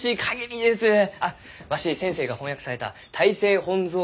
あっわし先生が翻訳された「泰西本草名疏」